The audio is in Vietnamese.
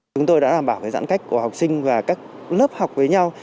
chúng tôi đã đảm bảo giãn cách của học sinh và các lớp học với nhau